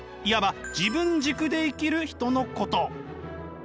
いわば自分軸で生きる人のこと。